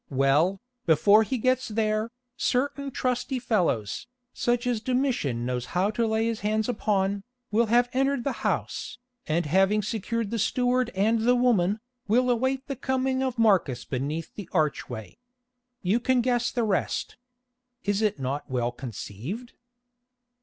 Well, before he gets there, certain trusty fellows, such as Domitian knows how to lay his hands upon, will have entered the house, and having secured the steward and the woman, will await the coming of Marcus beneath the archway. You can guess the rest. Is it not well conceived?"